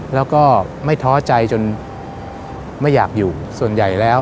แล้วก็ไม่ท้อใจจนไม่อยากอยู่ส่วนใหญ่แล้ว